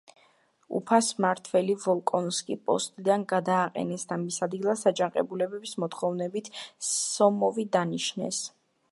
უფას მმართველი ვოლკონსკი პოსტიდან გადააყენეს და მის ადგილას აჯანყებულების მოთხოვნით სომოვი დანიშნეს.